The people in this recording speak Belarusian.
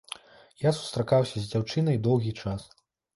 Я сустракаўся з дзяўчынай доўгі час.